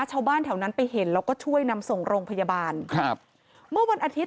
ชาวบ้านแถวนั้นไปเห็นแล้วก็ช่วยนำส่งโรงพยาบาลครับเมื่อวันอาทิตย